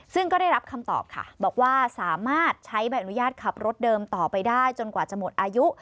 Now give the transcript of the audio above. ซึ่งก็ได้รับคำตอบค่ะบอกว่าสามารถใช้ใบอนุญาตขับรถเดิมต่อไปได้จนกว่าจะหมดอายุ